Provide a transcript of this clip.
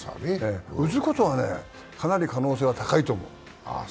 打つことはかなり可能性は高いと思う。